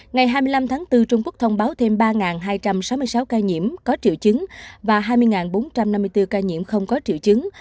ngày hai mươi năm tháng bốn trung quốc thông báo thêm ba hai trăm sáu mươi sáu ca nhiễm có triệu chứng và hai mươi bốn trăm năm mươi bốn ca nhiễm không có triệu chứng